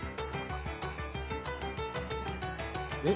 えっ？